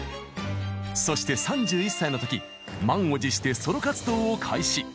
そして３１歳の時満を持してソロ活動を開始。